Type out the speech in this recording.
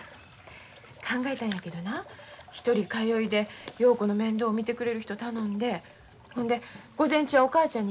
考えたんやけどな１人通いで陽子の面倒見てくれる人頼んでほんで午前中はお母ちゃんにいてもらうやろ。